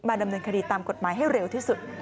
ดำเนินคดีตามกฎหมายให้เร็วที่สุด